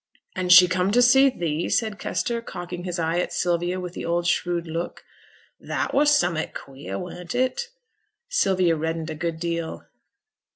'An' she come to see thee?' said Kester, cocking his eye at Sylvia with the old shrewd look. 'That were summut queer, weren't it?' Sylvia reddened a good deal.